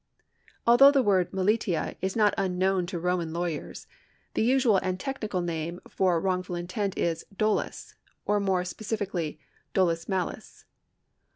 ^ Although the word rmdUia is not unknowTi to the Pi.oman lawyers, the usual and technical name for wrongful intent is dolus, or more specifically dolus mains.